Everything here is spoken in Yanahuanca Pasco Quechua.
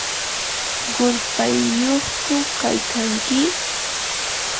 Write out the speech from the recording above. ¿qurpayyuqku kaykanki?